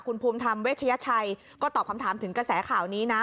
คุณภูมิธรรมเวชยชัยก็ตอบคำถามถึงกระแสข่าวนี้นะ